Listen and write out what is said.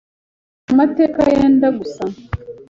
dufite amateka yenda gusa